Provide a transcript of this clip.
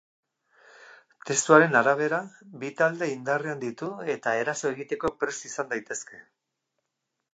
Testuaren arabera, bi talde indarrean ditu eta eraso egiteko prest izan daitezke.